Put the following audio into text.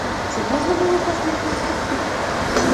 Ці можна было пазбегнуць канфлікту?